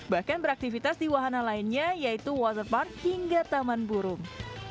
bahkan beraktivitas di wahana lainnya yaitu waterpark hingga taman burung